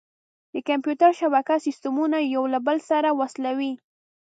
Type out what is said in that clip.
د کمپیوټر شبکه سیسټمونه یو له بل سره وصلوي.